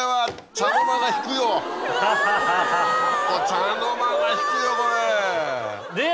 茶の間が引くよこれ。